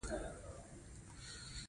ډېره تېزه سيلۍ وه